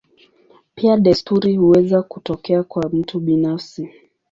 Pia desturi huweza kutokea kwa mtu binafsi.